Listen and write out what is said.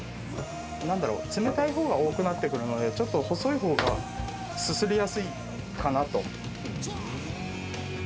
なんだろう、冷たいほうが多くなってくるので、ちょっと細いほうがすすりやすいかなと。